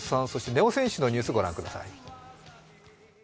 根尾選手のニュースご覧ください。